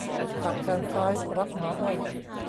สักแขนซ้าย 'รักหมออ้อย'